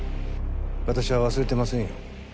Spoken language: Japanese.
私は忘れてませんよ